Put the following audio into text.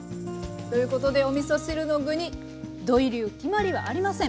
ということでおみそ汁の具に土井流決まりはありません！